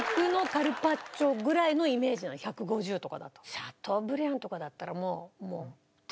シャトーブリアンとかだったらもう。